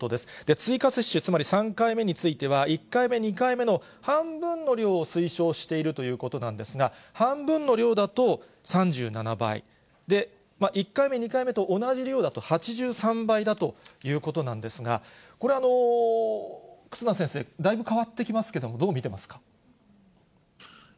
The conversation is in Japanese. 追加接種、つまり３回目については、１回目、２回目の半分の量を推奨しているということなんですが、半分の量だと３７倍、１回目、２回目と同じ量だと８３倍だということなんですが、これ、忽那先生、だいぶ変わってきますけれども、どう見てますか。